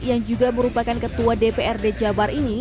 yang juga merupakan ketua dprd jabar ini